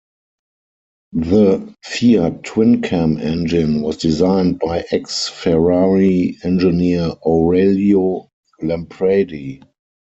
The Fiat twin cam engine was designed by ex-Ferrari engineer Aurelio Lampredi.